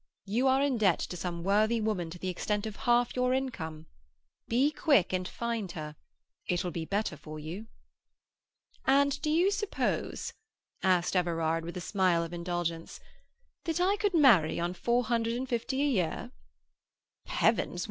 You are in debt to some worthy woman to the extent of half your income. Be quick and find her. It will be better for you." "And do you suppose," asked Everard, with a smile of indulgence, "that I could marry on four hundred and fifty a year?" "Heavens!